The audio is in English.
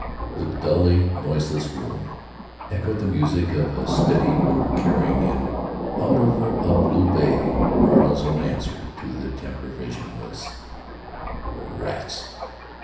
The dully noiseless room echoed the music of a steady motor carrying him out over a blue bay. Carl's own answer to the tempter vision was: "Rats!